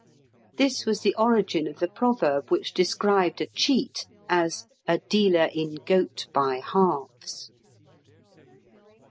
This was the origin of the proverb which described a cheat as "a dealer in goat by halves."